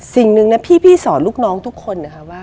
สิ่งหนึ่งพี่สอนลูกน้องทุกคน